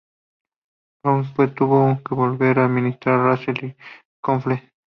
Berenguer, pues, tuvo que volver a administrar Rasez y el Conflent.